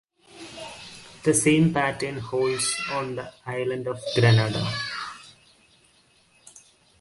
The same pattern holds on the island of Grenada.